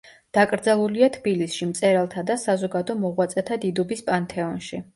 დაკრძალულია თბილისში მწერალთა და საზოგადო მოღვაწეთა დიდუბის პანთეონში.